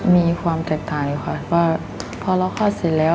มีความแตกต่างค่ะว่าพอเราคลอดเสร็จแล้ว